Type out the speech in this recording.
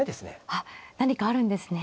あっ何かあるんですね。